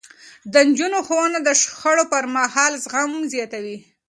د نجونو ښوونه د شخړو پرمهال زغم زياتوي.